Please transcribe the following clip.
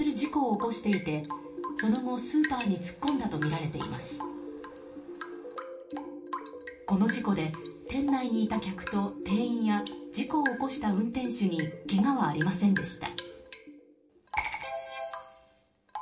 この事故で店内にいた客と店員や運転手にけがはありませんでした。